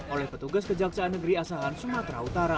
oleh petugas kejaksaan negeri asahan sumatera utara